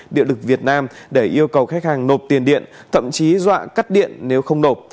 điện lực việt nam để yêu cầu khách hàng nộp tiền điện thậm chí dọa cắt điện nếu không nộp